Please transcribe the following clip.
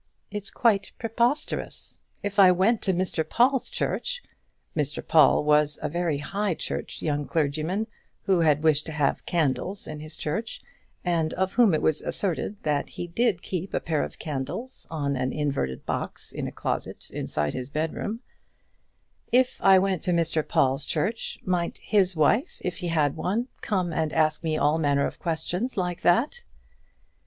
It's quite preposterous. If I went to Mr Paul's church" Mr Paul was a very High Church young clergyman who had wished to have candles in his church, and of whom it was asserted that he did keep a pair of candles on an inverted box in a closet inside his bedroom "if I went to Mr Paul's church, might his wife, if he had one, come and ask me all manner of questions like that?"